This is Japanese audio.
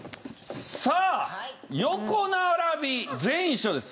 さあ横並び全員一緒です。